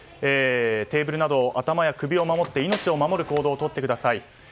テーブルなど頭や首を守って命を守る行動をとってください。